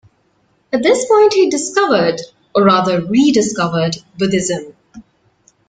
At this point he discovered - or rather rediscovered - Buddhism.